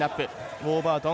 ウォーバートン